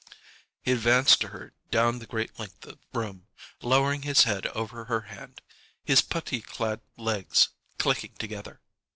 He advanced to her down the great length of room, lowering his head over her hand, his puttee clad legs clicking together.